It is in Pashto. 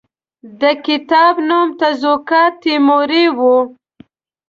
د کتاب نوم تزوکات تیموري وو.